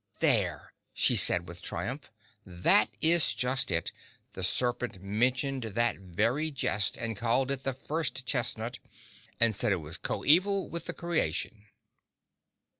"There," she said, with triumph, "that is just it; the Serpent mentioned that very jest, and called it the First Chestnut, and said it was coeval with the creation."